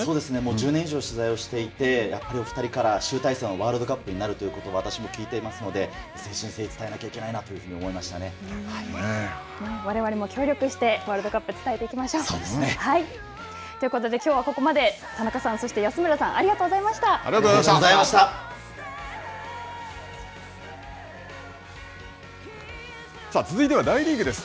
１０年以上取材をしていて、やっと２人から集大成のワールドカップになるということばを私も聞いていますので誠心誠意伝えなきゃいけないなとわれわれも協力して、ワールドそうですね。ということできょうはここまで田中さん、そして安村さん、ありさあ、続いては大リーグです。